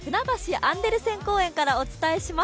アンデルセン公園からお伝えします。